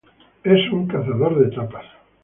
Es un cazador de etapas.